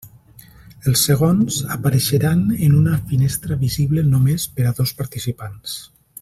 Els segons, apareixeran en una finestra visible només per a dos participants.